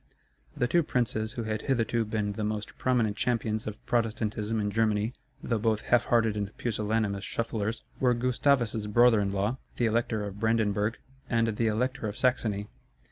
The two princes who had hitherto been the most prominent champions of Protestantism in Germany (though both half hearted and pusillanimous shufflers) were Gustavus's brother in law, the Elector of Brandenburg, and the Elector of Saxony.